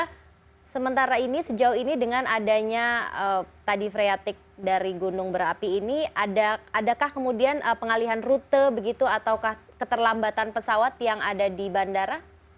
nah sementara ini sejauh ini dengan adanya tadi freatik dari gunung berapi ini adakah kemudian pengalihan rute begitu ataukah keterlambatan pesawat yang ada di bandara